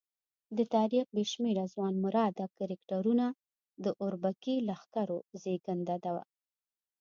د تاریخ بې شمېره ځوانمراده کرکټرونه د اربکي لښکرو زېږنده وو.